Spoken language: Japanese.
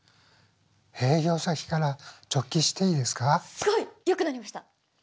すごい！良くなりました。